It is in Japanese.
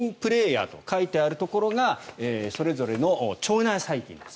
これが、メインプレーヤーと書いてあるところがそれぞれの腸内細菌です。